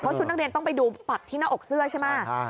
ชุดนักเรียนต้องไปดูปักที่หน้าอกเสื้อใช่ไหม